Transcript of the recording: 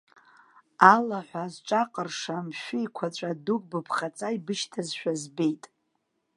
Алаҳәа зҿаҟырша, мшәы еиқәаҵәа дук быԥхаҵа ибышьҭазшәа збеит.